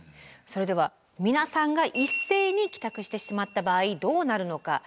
それでは皆さんが一斉に帰宅してしまった場合どうなるのか。